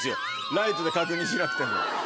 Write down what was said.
ライトで確認しなくても。